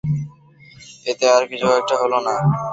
আরে, এতে কিছু একটা হল।